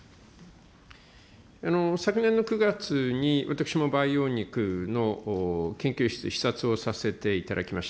昨年の９月に私も培養肉の研究室、視察をさせていただきました。